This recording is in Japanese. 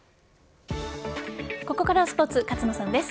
ここからはスポーツ勝野さんです。